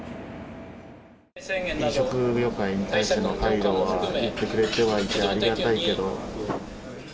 飲食業界に対しての配慮を言ってくれてはいて、ありがたいけど。